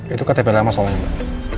itu ktp lama soalnya mbak